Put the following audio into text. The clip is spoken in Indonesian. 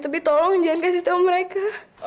tapi tolong jangan kasih tahu mereka